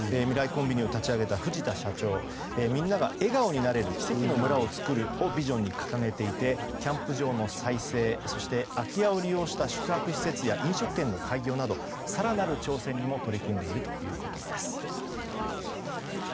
コンビニを立ち上げた藤田社長みんなが笑顔になれる奇跡の村を作るというビジョンを掲げていて、キャンプ場の再生そして空き家を利用した宿泊施設や飲食店の開業など更なる挑戦にも取り組んでいるということです。